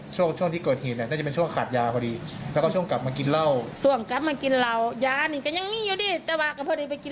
ช่วงที่เกิดฮีตเนี่ยน่าจะเป็นช่วงขาดยาพอดี